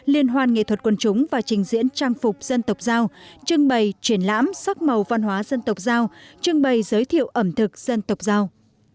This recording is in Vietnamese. liên hoan nghệ thuật quân chúng và trình diễn trang phục dân tộc giao trưng bày triển lãm sắc màu văn hóa dân tộc giao trưng bày giới thiệu ẩm thực dân tộc giao